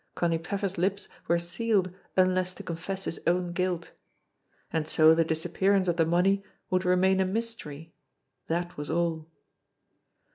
Connie Pfeffer's lips were sealed unless to confess his own guilt. And so the disappearance of the money would remain a mystery that was all